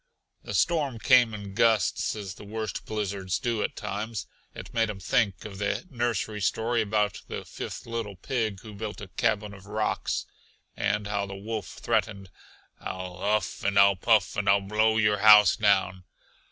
The storm came in gusts as the worst blizzards do at times. It made him think of the nursery story about the fifth little pig who built a cabin of rocks, and how the wolf threatened: "I'll huff and I'll puff, and I'll blow your house down!"